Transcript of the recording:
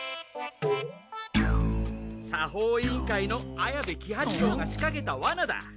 作法委員会の綾部喜八郎がしかけたワナだ。